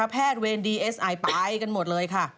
แพทย์เวรดีเอสอายปะอายกันหมดเลย